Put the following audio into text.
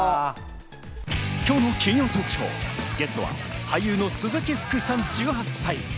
今日の金曜トークショー、ゲストは俳優の鈴木福さん、１８歳。